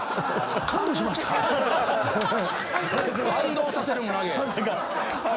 感動させる胸毛！